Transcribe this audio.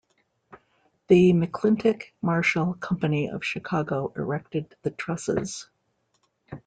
The McClintic-Marshall Company of Chicago erected the trusses.